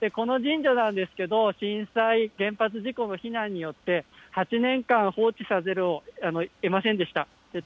この神社なんですけど、震災、原発事故の避難によって８年間、放置せざるをえませんでした。